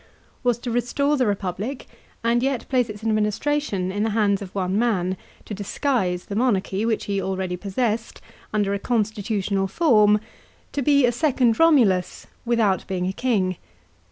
was to restore the republic and yet place its administration in the hands of one man, to disguise the monarchy, which he already possessed, under a constitutional form, to be a second Romulus without being a king.